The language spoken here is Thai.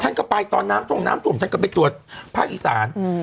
ท่านก็ไปตอนน้ำท่องน้ำท่วมท่านก็ไปตรวจภาคอีสาน